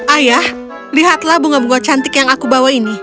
ayah lihatlah bunga bunga cantik yang aku bawa ini